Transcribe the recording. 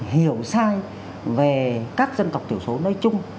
hiểu sai về các dân tộc thiểu số nói chung